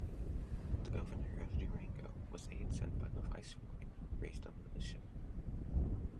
The governor of Durango, with aid sent by the viceroy, raised a militia.